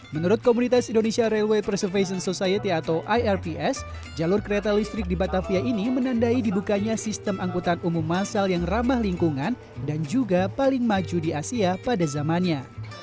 menurut komunitas indonesia rayway preservation society atau irps jalur kereta listrik di batavia ini menandai dibukanya sistem angkutan umum masal yang ramah lingkungan dan juga paling maju di asia pada zamannya